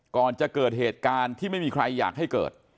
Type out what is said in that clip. ก่อนจะเกิดเหตุการณ์ที่ไม่มีใครอยากให้เกิด